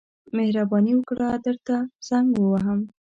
مهرباني وکړه درته زنګ ووهم.